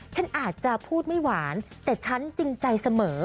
ฉันอาจจะพูดไม่หวานแต่ฉันจริงใจเสมอ